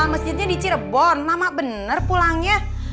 masjidnya di cirebon nama benar pulangnya